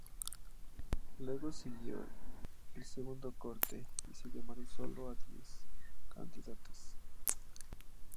Luego siguió el segundo corte, y se llamaron sólo a diez candidatas.